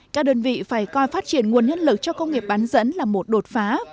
các đơn vị phải coi phát triển nguồn nhân lực cho công nghiệp bán dẫn là một đột phá